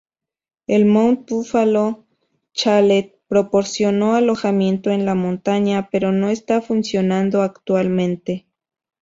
El Mount Buffalo Chalet proporcionó alojamiento en la montaña, pero no está funcionando actualmente.